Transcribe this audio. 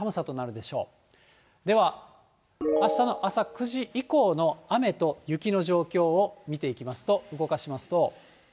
では、あしたの朝９時以降の雨と雪の状況を見ていきますと、動かしますと。